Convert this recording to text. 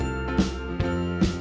yang berat itu listanya